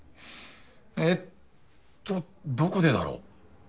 えっとどこでだろう？